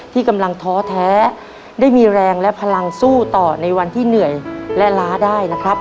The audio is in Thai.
ที่กำลังท้อแท้ได้มีแรงและพลังสู้ต่อในวันที่เหนื่อยและล้าได้นะครับ